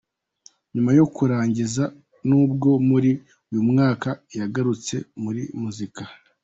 Nyuma yo kurangiza nibwo muri uyu mwaka yagarutse muri muzika.